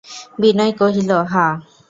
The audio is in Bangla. বিনয় কহিল, হাঁ।